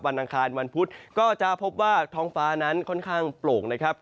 อังคารวันพุธก็จะพบว่าท้องฟ้านั้นค่อนข้างโปร่งนะครับ